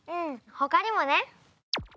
ほかにもね。